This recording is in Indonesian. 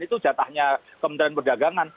itu jatahnya kementerian perdagangan